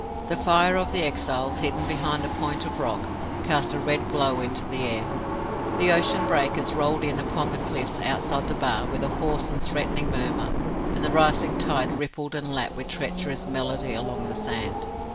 The fire of the exiles, hidden behind a point of rock, cast a red glow into the air. The ocean breakers rolled in upon the cliffs outside the bar, with a hoarse and threatening murmur; and the rising tide rippled and lapped with treacherous melody along the sand.